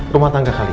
rumah tangga kalian